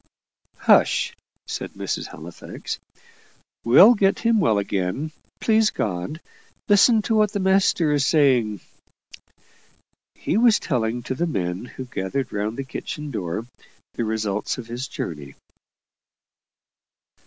"Hush!" said Mrs. Halifax; "we'll get him well again, please God. Listen to what the master's saying." He was telling to the men who gathered round the kitchen door the results of his journey.